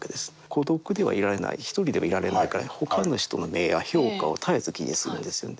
孤独ではいられない一人ではいられないから他の人の目や評価を絶えず気にするんですよね。